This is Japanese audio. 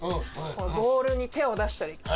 ボールに手を出したり。